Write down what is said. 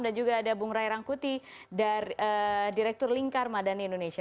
dan juga ada bung rai rangkuti direktur lingkar madani indonesia